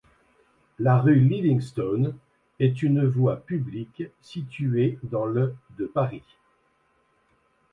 La rue Livingstone est une voie publique située dans le de Paris.